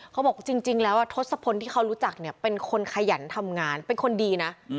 เขาบอกจริงแล้วทศพลที่เขารู้จักเนี่ยเป็นคนขยันทำงานเป็นคนดีนะ